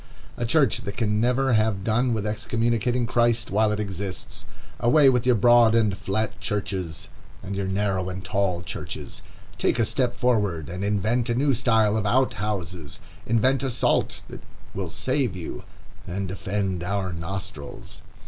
A church that can never have done with excommunicating Christ while it exists! Away with your broad and flat churches, and your narrow and tall churches! Take a step forward, and invent a new style of out houses. Invent a salt that will save you, and defend our nostrils.